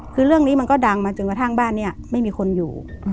คือเรื่องนี้มันก็ดังมาจนกระทั่งบ้านนี้ไม่มีคนอยู่